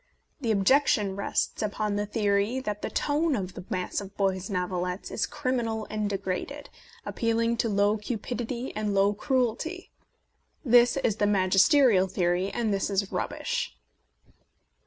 The objection rests upon the theory that the tone of the mass of boys' novelettes is criminal and degraded, appealing to low cupidity and low cruelty. This is the mag isterial theory, and this is rubbish.